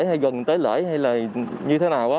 hay gần tới lễ hay là như thế nào